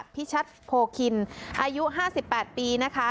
อภิชัฐโภคินอายุห้าสิบแปดปีนะคะ